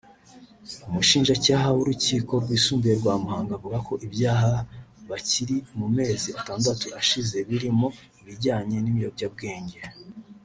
umushinjacyaha w’urukiko rwisumbuye rwa Muhanga avuga ko ibyaha bakira mu mezi atandatu ashize birimo ibijyanye n’ibiyobyabwenge